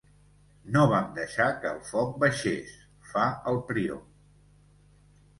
No vam deixar que el foc baixés, fa el prior.